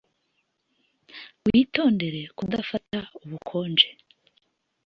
Witondere kudafata ubukonje